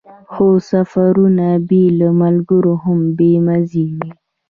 خو سفرونه بې له ملګرو هم بې مزې وي.